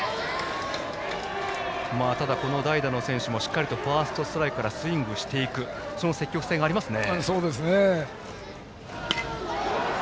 この代打の選手もしっかりファーストストライクからスイングしていく積極性がありますね。